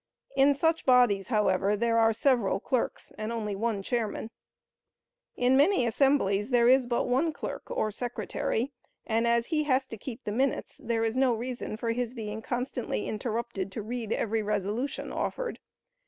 In such bodies, however, there are several clerks and only one chairman. In many assemblies there is but one clerk or secretary, and, as he has to keep the minutes, there is no reason for his being constantly interrupted to read every resolution offered.